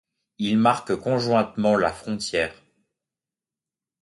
Il marque conjointement la frontière.